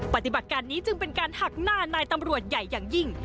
ปฏิบัติการนี้จึงเป็นการหักหน้านายตำรวจใหญ่อย่างยิ่ง